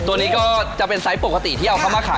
ตัวนี้ก็จะเป็นไซส์ปกติที่เอาเข้ามาขาย